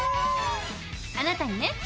あなたにね